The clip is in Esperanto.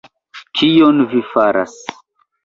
kion vi faras!